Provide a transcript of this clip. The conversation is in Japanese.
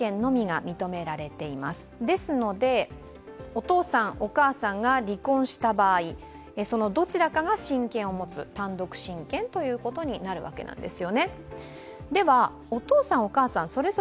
お父さん、お母さんが離婚した場合、そのどちらかが親権を持つ単独親権ということになるわけです。